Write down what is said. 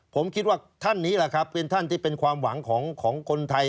ผมคิดว่าท่านนี้แหละครับเป็นท่านที่เป็นความหวังของคนไทย